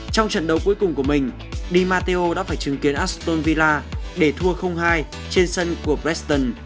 trong trận đấu cuối cùng của mình di matto đã phải chứng kiến aston villa để thua hai trên sân của brexton